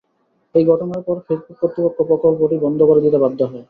এই ঘটনার পর ফেসবুক কর্তৃপক্ষ প্রকল্পটি বন্ধ করে দিতে বাধ্য হয়।